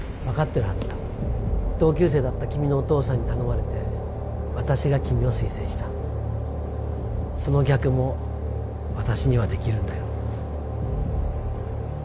分かってるはずだ同級生だった君のお父さんに頼まれて私が君を推薦したその逆も私にはできるんだよ